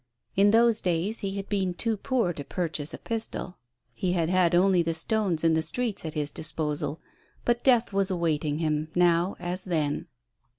In those days he had been too poor to purchase a pistol; he had had only the stones in the streets at his disposal, but death was awaiting him now as then.